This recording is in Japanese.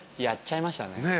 やっちゃいましたね。